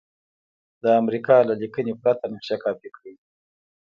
د امریکا له لیکنې پرته نقشه کاپي کړئ.